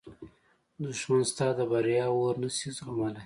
دښمن ستا د بریا اور نه شي زغملی